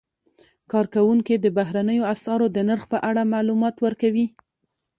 کارکوونکي د بهرنیو اسعارو د نرخ په اړه معلومات ورکوي.